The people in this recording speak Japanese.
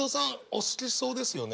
お好きそうですよね。